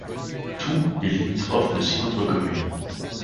Thoux est limitrophe de six autres communes.